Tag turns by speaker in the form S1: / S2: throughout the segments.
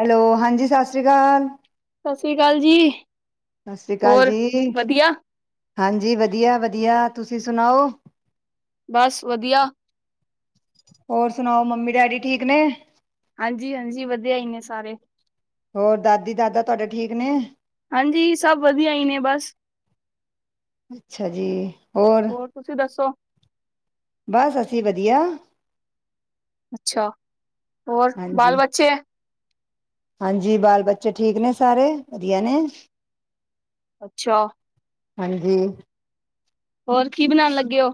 S1: Hello, ਹਾਂਜੀ ਸਤਿ ਸ਼੍ਰੀ ਅਕਾਲ।
S2: ਸਤਿ ਸ਼੍ਰੀ ਅਕਾਲ ਜੀ।
S1: ਸਤਿ ਸ਼੍ਰੀ ਅਕਾਲ
S2: ਹੋਰ
S1: ਜੀ
S2: ਵਧੀਆ
S1: ਹਾਂਜੀ, ਵਧੀਆ-ਵਧੀਆ, ਤੁਸੀਂ ਸੁਣਾਓ?
S2: ਬਸ ਵਧੀਆ,
S1: ਹੋਰ ਸੁਣਾਓ ਮੰਮੀ ਡੈਡੀ ਠੀਕ ਨੇ?
S2: ਹਾਂਜੀ-ਹਾਂਜੀ, ਵਧੀਆ ਹੀ ਨੇ ਸਾਰੇ,
S1: ਹੋਰ ਦਾਦੀ-ਦਾਦਾ ਤੁਹਾਡੇ ਠੀਕ ਨੇ?
S2: ਹਾਂਜੀ ਸਭ ਵਧੀਆ ਹੀ ਨੇ ਬਸ,
S1: ਅੱਛਾ ਜੀ, ਹੋਰ?
S2: ਤੁਸੀਂ ਦੱਸੋ?
S1: ਬਸ ਅਸੀਂ ਵਧੀਆ,
S2: ਅੱਛਾ ਹੋਰ
S1: ਹਾਂਜੀ
S2: ਬਾਲ ਬੱਚੇ
S1: ਹਾਂਜੀ ਬਾਲ ਬੱਚੇ ਠੀਕ ਨੇ ਸਾਰੇ ਵਧੀਆ ਨੇ,
S2: ਅੱਛਾ,
S1: ਹਾਂਜੀ,
S2: ਹੋਰ ਕੀ ਬਣਾਉਣ ਲੱਗੇ ਹੋ?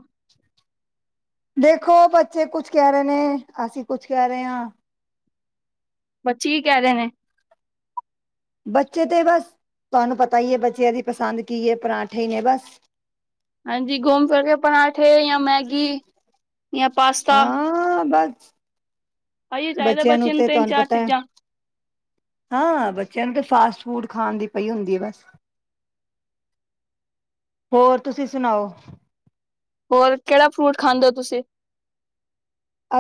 S1: ਦੇਖੋ ਬੱਚੇ ਕੁੱਛ ਕਹਿ ਰਹੇ ਨੇ ਅਸੀਂ ਕੁੱਛ ਕਹਿ ਰਹੇ ਹਾਂ।
S2: ਬੱਚੀ ਕੀ ਕਹਿ ਦੇ ਨੇ।
S1: ਬੱਚੇ ਤੇ ਬਸ ਤੁਹਾਨੂੰ ਪਤਾ ਹੀ ਹੈ, ਬੱਚਿਆਂ ਦੀ ਪਸੰਦ ਕੀ ਹੈ ਪਰਾਂਠੇ ਨੇ ਬਸ-'
S2: ਹਾਂਜੀ ਘੁੰਮ ਫਿਰ ਕੇ ਪਰਾਂਠੇ ਜਾਂ ਮੈਗੀ। ਜਾਂ ਪਾਸਤਾ
S1: ਹਾਂ, ਬਸ
S2: ਆਈਏ ਚਾਹੀਦਾ
S1: ਬੱਚਿਆਂ ਨੂੰ ਤੇ
S2: ਤਿੰਨ
S1: ਤੁਹਾਨੂੰ
S2: ਚਾਰ
S1: ਪਤਾ ਹੈ।
S2: ਚੀਜ਼ਾਂ
S1: ਹਾਂ, ਬੱਚਿਆਂ ਨੂੰ ਤਾਂ ਫਾਸਟ ਫੂਡ ਖਾਣ ਦੀ ਪਈ ਹੁੰਦੀ ਐ ਬਸ। ਹੋਰ ਤੁਸੀਂ ਸੁਣਾਓ?
S2: ਹੋਰ, ਕਿਹੜਾ ਫਰੂਟ ਖਾਂਦੇ ਹੋ ਤੁਸੀਂ।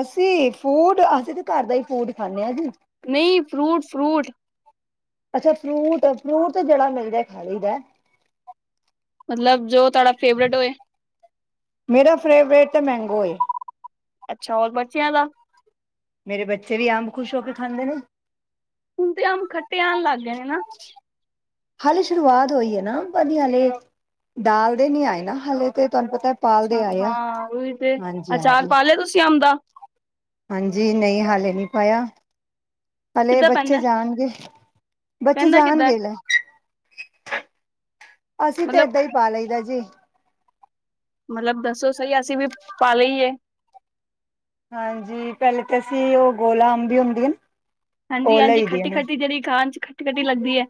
S1: ਅਸੀਂ ਫੂਡ ਅਸੀਂ ਤਾਂ ਘਰ ਦਾ ਹੀ ਫੂਡ ਖਾਂਨੇ ਹਾਂ ਜੀ।
S2: ਨਹੀਂ ਫਰੂਟ, ਫਰੂਟ।
S1: ਅੱਛਾ, ਫਰੂਟ, ਫਰੂਟ ਜਿਹੜਾ ਮਿਲਜੇ ਖਾ ਲਈ ਦੈ।
S2: ਮਤਲਬ ਜੋ ਤੁਹਾਡਾ ਫੇਵਰੇਟ ਹੋਏ।
S1: ਮੇਰਾ ਫੇਵਰੇਟ ਮੈਂਗੋ ਏ,
S2: ਅੱਛਾ ਹੋਰ ਬੱਚਿਆਂ ਦਾ,
S1: ਮੇਰੇ ਬੱਚੇ ਵੀ ਅੰਬ ਖੁਸ਼ ਹੋ ਕੇ ਖਾਂਦੇ ਨੇ,
S2: ਹੁਣ ਤੇ ਆਮ ਖੱਟੇ ਆਉਣ ਲੱਗ ਗਏ ਨਾ,
S1: ਹਾਲੇ ਸ਼ੁਰੂਆਤ ਹੋਈ ਨੇ ਵਾਧੀਆ ਹਾਲੇ ਡਾਲਦੇ ਨੀ ਆਏ ਨਾ ਹਾਲੇ ਤੇ ਤੁਹਾਨੂੰ ਪਤਾ। ਪਾਲਦੇ
S2: ਅੱਛਾ,
S1: ਆਏ ਆ
S2: ਹਾਂ ਓਹੀ ਤੇ,
S1: ਹਾਂਜੀ
S2: ਅਚਾਰ
S1: ਹਾਂਜੀ
S2: ਪਾ ਲਿਆ ਤੁਸੀਂ ਅੰਬ ਦਾ?
S1: ਹਾਂਜੀ, ਨਹੀਂ ਹਾਲੇ ਨਹੀਂਪਾਇਆ, ਹਾਲੇੇ
S2: ਕਿੱਦਾਂ
S1: ਬੱਚੇ
S2: ਪੈਂਦਾ
S1: ਜਾਣਗੇ ਬੱਚੇ,
S2: ਪੈਂਦਾ ਕਿੱਦਾਂ
S1: ਜਾਣਗੇ ਲੇ ਅਸੀਂ ਤਾਂ,
S2: ਮਤਲਬ
S1: ਏਦਾਂ ਹੀ ਪਾ ਲਈਦਾ ਜੀ।
S2: ਮਤਲਬ ਦੱਸੋ ਸਹੀ, ਅਸੀਂ ਵੀ ਪਾ ਲਈਏ?
S1: ਹਾਂਜੀ, ਪਹਿਲੇ ਤਾਂ ਅਸੀਂ ਉਹ ਗੋਲਾ ਅੰਬ, ਵੀ ਹੁੰਦੀ ਏ।
S2: ਹਾਂਜੀ- ਹਾਂਜੀ ਖੱਟੀ -ਖੱਟੀ ਜਿਹੜੀ ਖਾਣ ਚ ਖੱਟੀ- ਖੱਟੀ ਲੱਗਦੀ ਐ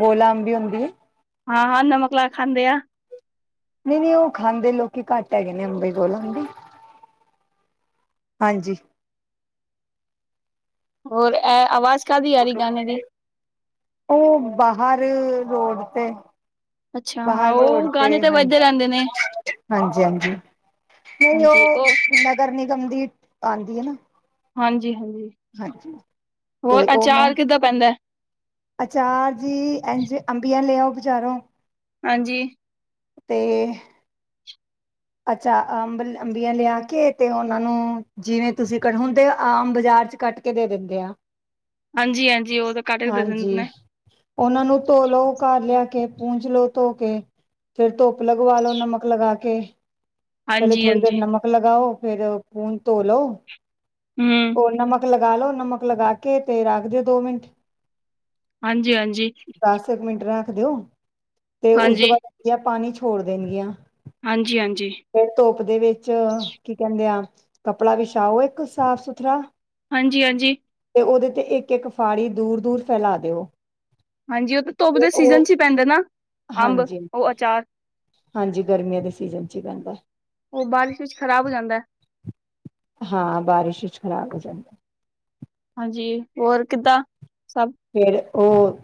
S1: ਗੋਲਾ ਅੰਬੀ ਹੁੰਦੀ ਹੈ
S2: ਹਾਂ -ਹਾਂ ਨਮਕ ਲਾ ਕੇ ਖਾਂਣੇ ਆ।
S1: ਨਹੀਂ -ਨਹੀਂ ਉਹ ਖਾਂਦੇ ਲੋਕੀ ਘੱਟ ਹੈਗੇ ਨੇ, ਅੰਬ ਈ ਕੋਲੋਂ ਦੀ ਹਾਂਜੀ।
S2: ਹੋਰ, ਆਵਾਜ਼ ਕਾਹਦੀ ਆ ਰਹੀ ਗਾਣੇ ਦੀ?
S1: ਉਹ, ਬਾਹਰ ਰੋਡ ਤੇ।
S2: ਅੱਛਾ ਹਾਂ
S1: ਬਾਹਰ ਰੋਡ
S2: ਉਹ
S1: ਤੇ,
S2: ਗਾਣੇ ਤਾਂ ਵੱਜਦੇ
S1: ਹਾਂਜੀ,
S2: ਰਹਿੰਦੇ ਨੇ
S1: ਹਾਂਜੀ -ਹਾਂਜੀ ਨਹੀਂ, ਉਹ ਨਗਰ ਨਿਗਮ, ਦੀ ਆਉਂਦੀ ਅ ਨਾ
S2: ਹਾਂਜੀ -ਹਾਂਜੀ
S1: ਹਾਂਜੀ
S2: ਹੋਰ,
S1: ਤੇ ਉਹ ਮੈਂ
S2: ਅਚਾਰ ਕਿੱਦਾਂ ਪੈਂਦਾ?
S1: ਅਚਾਰ ਜੀ, ਇਜ ਅੰਬੀਆਂ ਲਿਆਓ ਬਾਜਰੋ।
S2: ਹਾਂਜੀ
S1: ਤੇ ਅੱਛਾ, ਅੰਬ ਅੰਬੀਆਂ ਲਿਆ ਕੇ ਤੇ ਉਹਨਾਂ ਨੂੰ ਜਿਵੇਂ ਤੁਸੀਂ, ਕ ਹੁੰਦੇ ਆਮ ਬਾਜ਼ਾਰ ਚ ਕੱਟ ਕੇ ਦੇ ਦਿੰਦੇ ਆ।
S2: ਹਾਂਜੀ -ਹਾਂਜੀ ਉਹ ਤਾਂ ਕੱਟ ਕੇ ਦ ਦਿੰਦੇ
S1: ਹਾਂਜੀ
S2: ਨੇ
S1: ਉਹਨਾਂ ਨੂੰ ਧੋ ਲਓ, ਘਰ ਲਿਆ ਕੇ ਪੂੰਜ ਲੋਓ ਧੋ ਕੇ ਫੇਿਰ ਧੁੱਪ ਲਗਵਾ ਲੋ, ਨਮਕ ਲਗਾ ਕੇ ਪਹਿਲੇ,
S2: ਹਾਂਜੀ
S1: ਥੋੜ੍ਹੀ ਦੇਰ
S2: ਹਾਂਜੀ
S1: ਨਮਕ ਲਗਾਓ, ਫੇਰ ਖੂਨ ਧੋਲੋ
S2: ਹਮ
S1: ਹੋ ਨਮਕ ਲਗਾ ਲੋ, ਨਮਕ ਲਗਾ ਕੇ ਤੇ ਰੱਖ ਦਿਓ ਦੋ ਮਿੰਟ।
S2: ਹਾਂਜੀ--ਹਾਂਜੀ
S1: ਦਸ ਕੁ ਮਿੰਟ ਰੱਖ ਦਿਓ, ਤੇ ਉਸ ਤੋਂ
S2: ਹਾਂਜੀ
S1: ਬਾਅਦ ਪਾਣੀ ਛੋੜ ਦੇਣਗੀਆਂ।
S2: ਹਾਂਜੀ -ਹਾਂਜੀ
S1: ਫਿਰ ਧੱਪ ਦੇ ਵਿੱਚ ਕੀ ਕਹਿੰਦੇ ਆ ਕੱਪੜਾ ਵਿਛਾਓ ਇੱਕ ਸਾਫ ਸੁਥਰਾ
S2: ਹਾਂਜੀ- ਹਾਂਜੀ
S1: ਤੇ ਉਹਦੇ ਤੇ, ਇੱਕ -ਇੱਕ ਫਾੜੀ ਦੂਰ ਦੂਰ ਫੈਲਾ ਦਿਓ
S2: ਹਾਂਜੀ, ਉਹ ਤਾਂ ਧੁੱਪ
S1: ਤੇ
S2: ਦੇ ਸੀਜ਼ਨ
S1: ਉਹ
S2: ਚ, ਪੈਂਦਾ ਨਾ ਅੰਬ
S1: ਹਾਂਜੀ
S2: ਉਹ ਅਚਾਰ।
S1: ਹਾਂਜੀ, ਗਰਮੀਆਂ ਦੇ ਸੀਜਨ ਚ ਹੀ ਪੈਦਾ।
S2: ਉਹ, ਬਾਰਿਸ਼ ਵਿੱਚ ਖ਼ਰਾਬ ਹੋ ਜਾਂਦਾ।
S1: ਹਾਂ, ਬਾਰਿਸ਼ ਵਿਚ ਖ਼ਰਾਬ ਹੋ ਜਾਂਦਾ
S2: ਹਾਂਜੀ, ਹੋਰ ਕਿੱਦਾਂ ਸਭ?
S1: ਫੇਰ, ਉਹ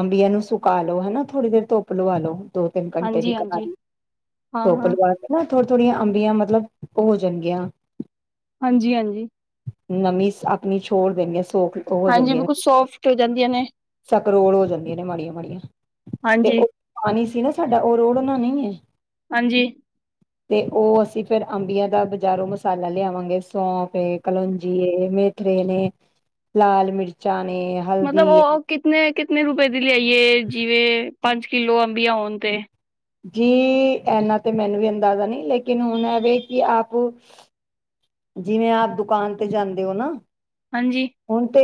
S1: ਅੰਬੀਆਂ ਨੂੰ ਸੁਕਾ ਲੋ, ਹਨਾ ਥੋੜ੍ਹੀ ਦੇਰ ਧੁੱਪ ਲਵਾ ਲੋ। ਦੋ, ਤਿੰਨ ਘੰਟੇ, ਦੀ
S2: ਹਾਂਜੀ ਹਾਂਜੀ
S1: ਕਰਾਰੀ
S2: ਹਾਂ
S1: ਧੁੱਪ
S2: ਹਾਂ
S1: ਲਾਵਾਓ। ਨਾ, ਥੋੜੀਆ -ਥੋੜੀਆਂ ਅੰਬੀਆਂ, ਮਤਲਬ ਉਹ ਹੋ ਜਾਣਗੀਆਂ
S2: ਹਾਂਜੀ -ਹਾਂਜੀ
S1: ਨਮੀਂ, ਆਪਣੀ ਛੋੜ ਦੇ ਗੇ ਸੋਖ ਉਹ ਹੋ
S2: ਹਾਂਜੀ,
S1: ਜਾਂਦੀਆਂ ਨੇ
S2: ਬਿਲਕੁਲ ਸੋਫਟ ਹੋ ਜਾਂਦੀਆਂ ਨੇ,
S1: ਸਕਰੋੜ ਹੋ ਜਾਂਦੀਆਂ ਨੇ, ਮਾੜੀਆਂ -ਮਾੜੀਆਂ ਤੇ
S2: ਹਾਂਜੀ
S1: ਉਹ ਪਾਣੀ ਸੀ ਨਾ ਸਾਡਾ, ਉਹ ਰੋੜ ਨਾ ਨਈ ਏ।
S2: ਹਾਂਜੀ।
S1: ਤੇ ਉਹ, ਅਸੀਂ ਫ਼ਿਰ ਅੰਬੀਆਂ ਦਾ ਬਜ਼ਾਰੋਂ ਮਸਾਲਾ, ਲਿਆਵਾਂਗੇ ਸੌਂਫ ਏ ਕਲੋਂਜੀ ਏ ਮੇ ਤੇਲ ਨੇ ਲਾਲ ਮਿਰਚਾਂ ਨੇ
S2: ਮਤਲਬ,
S1: ਹਲਦੀ
S2: ਉਹ ਕਿਤਨੇ -ਕਿਤਨੇ ਰੁਪਏ ਦੀ ਲਿਆਈਏ ਜਿਵੇਂ ਪੰਜ ਕਿਲੋ ਅੰਬੀਆਂ ਹੋਣ ਤੇ?
S1: ਜੀ, ਇਹਨਾ ਤੇ ਮੈਨੂੰ ਵੀ ਅੰਦਾਜ਼ਾ ਨਹੀਂ, ਲੇਕਿਨ ਹੁਣ ਐਵੇਂ ਕਿ ਆਪ ਜਿਵੇਂ, ਆਪ ਦੁਕਾਨ ਤੇ ਜਾਂਦੇ ਹੋ ਨਾ
S2: ਹਾਂਜੀ
S1: ਹੁਣ ਤੇ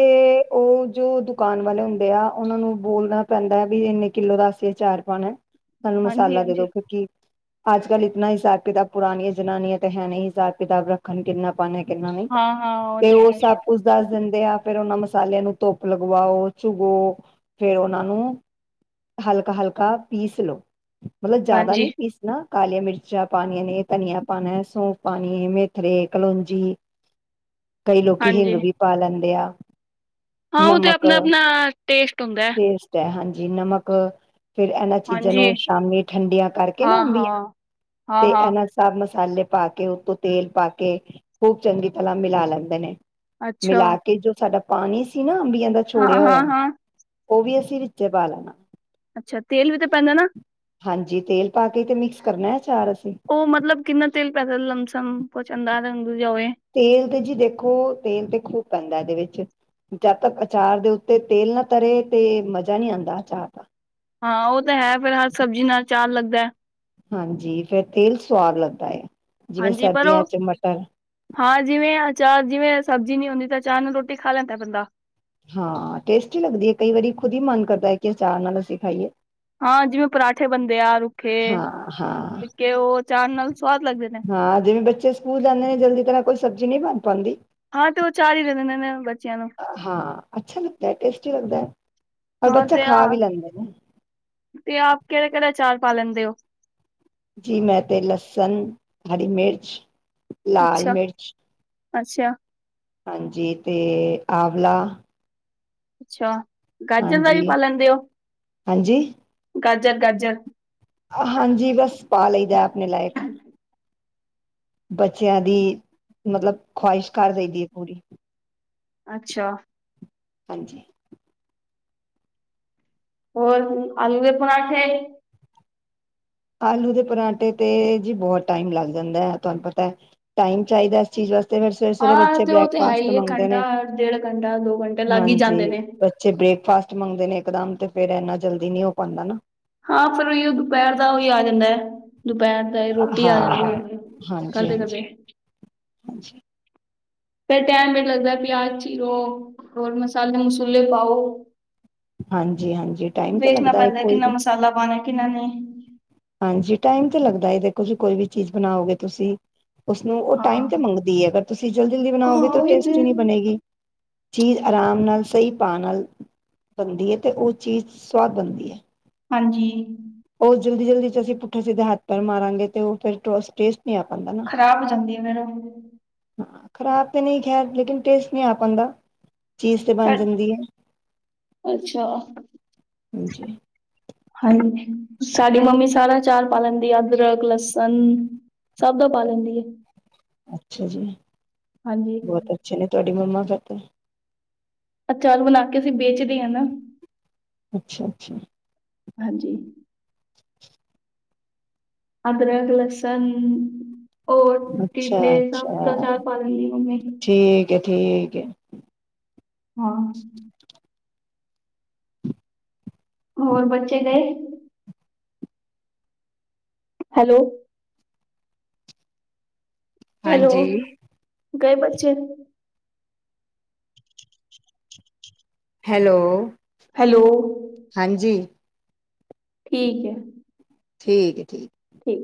S1: ਉਹ ਜੋ ਦੁਕਾਨ ਵਾਲੇ ਹੁੰਦੇ ਆ, ਉਹਨਾਂ ਨੂੰ ਬੋਲਣਾ ਪੈਂਦਾ ਵੀ ਨ ਕਿੱਲੋ ਦਾ ਅਸੀ ਅਚਾਰ ਪਾਉਣਾ ਹੈ। ਸਾਨੂੰ
S2: ਹਾਂਜੀ
S1: ਮਸਾਲਾ ਦੇ ਦੋ
S2: ਹਾਂਜੀ
S1: ਕਿਉਂਕਿ ਅੱਜ -ਕੱਲ ਇਤਨਾ ਹਿਸਾਬ- ਕਿਤਾਬ ਪੁਰਾਨੀਆਂ ਜਨਾਨੀਆਂ ਤੇ ਹੈ ਨਹੀਂ ਹਿਸਾਬ ਕਿਤਾਬ ਰੱਖ ਖਣ ਕਿੰਨਾ ਪਾਣਾ ਕਿੰਨਾ ਨਹੀਂ
S2: ਹਾਂ ਹਾਂ
S1: ਤੇ ਉਹ
S2: ਹੈ
S1: ਸਭ ਕੁ ਦੱਸ ਦਿੰਦੇ ਆ ਫੇਰ ਉਹਨਾਂ ਮਸਾਲਿਆਂ ਨੂੰ ਧੁੱਪ ਲਗਵਾਓ ਚੁਗੋ ਫੇਰ ਉਹਨਾਂ ਨੂੰ ਹਲਕਾ -ਹਲਕਾ ਪੀਸ ਲੋ। ਮਤਲਬ ਜਿਆਦਾ
S2: ਹਾਂਜੀ
S1: ਨਹੀਂ ਪੀਸਣਾ ਕਾਲੀਆਂ ਮਿਰਚਾਂ ਪਾਉਣੀਆਂ ਨੇ, ਧਨੀਆ ਪਾਣਾ, ਸੌਂਪ ਪਾਣੀ ਐ ਮੇ ਮੇਥਰੇ, ਕਲੋਂਜੀ ਕਈ ਲੋਕੀ ਹਿੰਗ
S2: ਹਾਂਜੀ
S1: ਵੀ ਪਾ ਲੈਂਦੇ ਆ।
S2: ਹਾਂ ਉਹ ਤੇ ਆਪਣਾ- ਆਪਣਾ ਟੇਸਟ ਹੁੰਦਾ ਹੈ।
S1: ਸਟ ਹੈ ਹਾਂਜੀ ਨਮਕ ਫੇਰ ਇਹਨਾਂ ਚੀਜ਼ਾਂ
S2: ਹਾਂਜੀ
S1: ਨੂੰ ਸ਼ਾਮੀ ਠੰਡੀਆਂ ਕਰਕੇ
S2: ਹਾਂ
S1: ਨਾ ਅੰਬੀਆ
S2: ਹਾਂ ਹਾਂ
S1: ਤੇ
S2: ਹਾਂ
S1: ਇਹਨਾਂ ਸਭ ਮਸਾਲੇ ਪਾ ਕੇ ਉਤੋਂ ਤੇਲ ਪਾ ਕੇ ਖੂਬ ਚੰਗੀ ਤਰ੍ਹਾਂ ਮਿਲਾ ਲੈਂਦੇ ਨੇ।
S2: ਅੱਛਾ
S1: ਮਿਲਾ ਕੇ ਜੋ ਸਾਡਾ ਪਾਣੀ ਸੀ ਨਾ ਅੰਬੀਆਂ ਦਾ
S2: ਹਾਂ
S1: ਛੋੜਿਆ
S2: ਹਾਂ
S1: ਹੋਇਆ
S2: ਹਾਂ
S1: ਉਹ ਵੀ ਅਸੀਂ ਵਿੱਚੇ ਪਾ ਲੈਣਾ।
S2: ਅੱਛਾ, ਤੇਲ ਵੀ ਤੇ ਪੈਂਦਾ ਨਾ।
S1: ਹਾਂਜੀ, ਤੇਲ ਪਾ ਕੇ ਤੇ ਮਿਕਸ ਕਰਨਾ ਹੈ ਅਚਾਰ ਅਸੀਂ।
S2: ਉਹ ਮਤਲਬ ਕਿੰਨਾ ਤੇਲ ਪੈਦਾ ਲਮਸਮ ਪਹੁੰਚ ਜਾਂਦਾ ਰੰਗ ਦੂ ਜਾ ਹੋਵੇ
S1: ਤੇਲ ਤੇ ਜੀ ਦੇਖੋ ਤੇਲ ਤੇ ਖੂਬ ਪੈਂਦਾ ਇਹਦੇ ਵਿੱਚ ਜਦ ਤੱਕ ਅਚਾਰ ਦੇ ਉੱਤੇ ਤੇਲ ਨਾ ਤਰੇ ਤੇ ਮਜ਼ਾ ਨਹੀਂ ਆਉਂਦਾ ਅਚਾਰ ਦਾ।
S2: ਹਾਂ ਉਹ ਤਾਂ ਹੈ ਫੇਰ ਹਰ ਸਬਜ਼ੀ ਨਾਲ ਅਚਾਰ ਲੱਗਦਾ ਐ।
S1: ਹਾਂਜੀ, ਫੇਰ ਤੇਲ ਸਵਾਦ ਲੱਗਦਾ ਹੈ। ਜਿਵੇਂ
S2: ਹਾਂਜੀ, ਪਰ
S1: ਸਰਦੀਆਂ
S2: ਉਹ
S1: ਚ ਮਟਰ
S2: ਹਾਂ, ਜਿਵੇਂ ਅਚਾਰ ਜਿਵੇਂ ਸਬਜ਼ੀ ਨਹੀਂ ਹੁੰਦੀ ਤਾਂ ਅਚਾਰ ਨਾਲ ਰੋਟੀ ਖਾ ਲੈਂਦਾ ਬੰਦਾ।
S1: ਹਾਂ, ਟੇਸਟੀ ਲੱਗਦੀ ਹੈ ਕਈ ਵਾਰੀ ਖੁਦ ਹੀ ਮਨ ਕਰਦਾ ਹੈ ਕਿ ਅਚਾਰ ਨਾਲ ਅਸੀਂ ਖਾਈਏ।
S2: ਹਾਂ, ਜਿਵੇਂ ਪਰਾਂਠੇ ਬਣਦੇ ਆ ਰੁੱਖੇ
S1: ਹਾਂ ਹਾਂ
S2: -ਫਿਕੇ ਉਹ ਅਚਾਰ ਨਾਲ ਸਵਾਦ ਲੱਗਦੇ।
S1: ਹਾਂ, ਜਿਵੇਂ ਬੱਚੇ ਸਕੂਲ ਜਾਂਦੇ ਨੇ ਜਲਦੀ ਤਰ੍ਹਾਂ ਕੋਈ ਸਬਜ਼ੀ ਨਹੀਂ ਬਣ ਪਾਦੀ।
S2: ਹਾਂ, ਤੇ ਉਹ ਅਚਾਰ ਹੀ ਦੇ ਦੇਂਦੇ ਨੇ। ਬ
S1: ਹਾਂ, ਅੱਛਾ ਲੱਗਦਾ ਹੈ, ਟੇਸਟੀ ਲੱਗਦਾ। ਔਰ
S2: ਹਾਂ
S1: ਬੱਚਾ
S2: ਤੇ ਆ
S1: ਖਾ ਵੀ ਲੈਂਦਾ।
S2: ਤੇ ਆਪ ਕਿਹੜੇ -ਕਿਹੜੇ ਅਚਾਰ ਪਾ ਲੈਂਦੇ ਹੋ।
S1: ਜੀ ਮੈਂ ਤੇ ਲਸਨ, ਹਰੀ ਮਿਰਚ ਲਾਲ
S2: ਅੱਛਾ,
S1: ਮਿਰਚ
S2: ਅੱਛਾ
S1: ਹਾਂਜੀ, ਤੇ ਆਵਲਾ-
S2: ਅੱਛਾ। ਗਾਜਰ ਦਾ ਵੀ
S1: ਹਾਂਜੀ,
S2: ਪਾ ਲੈਂਦੇ ਹੋ
S1: ਹਾਂਜੀ!
S2: ਗਾਜਰ -ਗਾਜਰ।
S1: ਹਾਂਜੀ, ਬਸ ਪਾ ਲਈਦਾ ਆਪਣੇ ਲਾਇਕ। ਬੱਚਿਆਂ ਦੀ, ਮਤਲਬ ਖਵਾਹਿਸ਼ ਕਰ ਦੇਦੀ ਹੈ ਪੂਰੀ।
S2: ਅੱਛਾ
S1: ਹਾਂਜੀ
S2: ਹੋਰ ਆਲੂ ਦੇ ਪਰਾਂਠੇ।
S1: ਆਲੂ ਦੇ ਪਰਾਂਠੇ ਤੇ ਜੀ ਬਹੁਤ ਟਾਈਮ ਲੱਗ ਜਾਂਦਾ ਹੈ। ਤੁਹਾਨੂੰ ਪਤਾ ਟਾਈਮ ਚਾਹੀਦਾ ਚੀਜ਼ ਵਾਸਤੇ ਫਿਰ ਸਵੇਰੇ -ਸਵੇਰੇ
S2: ਹਾਂ
S1: ਬੱਚੇ
S2: ਤੇ ਉਹ ਤੇ ਹੈ
S1: ਬ੍ਰੇਕਫਾਸਟ
S2: ਹੀ ਹੈ
S1: ਮੰਗਦੇ
S2: ਘੰਟਾ
S1: ਨੇ,
S2: ਡੇਢ ਘੰਟਾ ਦੋ ਘੰਟੇ ਲੱਗ ਹੀ ਜਾਂਦੇ
S1: ਹਾਂਜੀ।
S2: ਨੇ
S1: ਚੇ ਬ੍ਰੇਕਫਾਸਟ ਮੰਗਦੇ ਨੇ ਇੱਕਦਮ ਤੇ ਫੇਰ ਇਨਾ ਜਲਦੀ ਨੀ ਹੋ ਪਾਉਂਦਾ ਨਾ।
S2: ਹਾਂ ਫਿਰ ਉਹੀ ਉਹ ਦੁਪਹਿਰ ਦਾ ਉਹੀ ਆ ਜਾਂਦਾ ਹੈ ਦੁਪਹਿਰ। ਰੋਟੀ ਆਦੀ
S1: ਹਾਂ
S2: ਏ
S1: ਹਾਂਜੀ ਹਾਂਜੀ
S2: ਕਰਦੇ-ਕਰਦੇ।
S1: ਹਾਂਜੀ।
S2: ਫਿਰ ਟਾਇਮ ਵੀ ਲੱਗਦਾ ਪਿਆਜ਼ ਚੀਰੋ ਹੋਰ ਮਸਾਲੇ -ਮਸੂਲੇ ਪਾਓ।
S1: ਹਾਂਜੀ ਹਾਂਜੀ ਟਾਈਮ ਤੇ
S2: ਵੇਖਣਾ
S1: ਲੱਗਦਾ ਹੈ
S2: ਪੈਂਦਾ
S1: ਕੋਈ
S2: ਕਿੰਨਾ
S1: ਵੀ
S2: ਮਸਾਲਾ ਪਾਣਾ ਕਿੰਨਾ ਨਹੀਂ।
S1: ਹਾਂਜੀ ਟਾਈਮ ਤੇ ਲੱਗਦਾ ਦੇਖੋ ਜੀ ਕੋਈ ਵੀ ਚੀਜ਼ ਬਣਾਓਗੇ ਤੁਸੀਂ। ਉਸਨੂੰ ਉਹ ਟਾਈਮ ਤੇ
S2: ਹਾਂ
S1: ਮੰਗਦੀ ਹੈ ਅਗਰ ਤੁਸੀਂ ਜਲਦੀ ਜਲਦੀ ਬਣਾਓਗੇ ਤਾਂ ਉਹ
S2: ਉਹੀ ਤੇ
S1: ਟੇਸਟੀ ਨਹੀਂ ਬਣੇਗੀ। ਚੀਜ਼ ਆਰਾਮ ਨਾਲ ਸਹੀ ਪਾ ਨਾਲ। ਬਣਦੀ ਹੈ ਤੇ ਉਹ ਚੀਜ਼ ਸਵਾਦ ਬਣਦੀ ਹੈ।
S2: ਹਾਂਜੀ।
S1: ਉਹ ਜਲਦੀ ਜਲਦੀ ਚ ਅਸੀਂ ਪੁੱਠਾ ਸਿੱਧੇ ਹੱਥ ਪੈਰ ਮਾਰਾਂਗੇ ਤੇ ਉਹ ਫਿਰ ਟੋਸਟ ਟੈਸਟ। ਨੀ ਆਂ ਪਾਂਦਾ ਨਾ।
S2: ਖ਼ਰਾਬ ਹੋ ਜਾਂਦੀ ਹੈ
S1: ਖ਼ਰਾਬ ਤੇ ਨਹੀਂ ਖੈਰ ਲੇਕਿਨ ਟੇਸਟ ਨਹੀਂ ਆ ਪਾਉਂਦਾ।
S2: ਸਾਡ ਅੱਛਾ।
S1: ਹਾਂਜੀ।
S2: ਹਾਂਜੀ ਸਾਡੀ ਮੰਮੀ ਸਾਰਾ ਚਾਰ ਪਾ ਲੈਂਦੀ ਆ ਅਦਰਕ ਲਸਣ। ਸਭ ਦਾ ਪਾ ਲੈਂਦੀ ੲੈ।
S1: ਅੱਛਾ, ਜੀ
S2: ਹਾਂਜੀ।
S1: ਬਹੁਤ ਅੱਛੇ ਨੇ ਤੁਹਾਡੀ ਮੰਮਾ ਫਿਰ ਤੇ
S2: ਅਚਾਰ ਬਣਾ ਕੇ ਅਸੀਂ ਵੇਚਦੇ ਆ ਨਾ।
S1: ਅੱਛਾ, ਅੱਛਾ।
S2: ਹਾਂਜੀ। ਅਦਰਕ ਲਸਣ। ਹੋਰ
S1: ਅੱਛਾ
S2: ਟਿੰਡੇ ਸਭ ਦਾ
S1: ਅੱਛਾ
S2: ਚਾਰ ਪਾ ਲੈਦੀ ਮੰਮੀ।
S1: ਠੀਕ ਹੈ ਠੀਕ ਹੈ।
S2: ਹਾਂ। ਹੋਰ ਬੱਚੇ ਗਏ। ਹੈਲੋ। ਹੈਲੋ,
S1: ਹਾਂਜੀ
S2: ਗਏ ਬੱਚੇ।
S1: ਹੈਲੋ।
S2: ਹੈਲੋ।
S1: ਹਾਂਜੀ।
S2: ਠੀਕ ਹੈ।
S1: ਠੀਕ ਹੈ ਠੀਕ।
S2: ਠੀਕ।